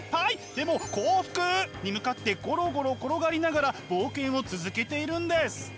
でも幸福に向かってゴロゴロ転がりながら冒険を続けているんです。